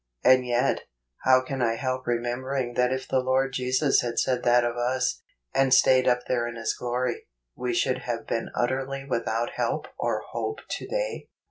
And yet, how can I help remembering that if the Lord Jesus had said that of us, and stayed up there in His glory, we should have been utterly without help or hope to day